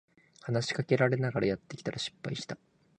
話しかけられながらやってたら失敗した